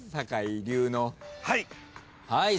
はい。